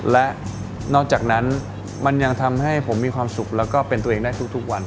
และนอกจากนั้นมันยังทำให้ผมมีความสุขแล้วก็เป็นตัวเองได้ทุกวัน